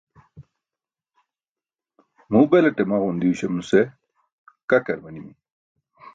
muu belaṭe maġun diyuśam nuse kakar manimi